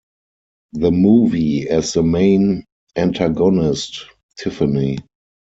The Movie as the main antagonist, Tiffany.